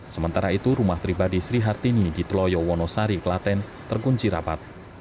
sementara itu rumah pribadi sri hartini di tloyo wonosari klaten terkunci rapat